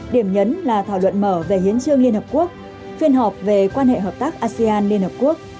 điểm nhấn là thảo luận mở về hiến trương liên hợp quốc phiên họp về quan hệ hợp tác asean liên hợp quốc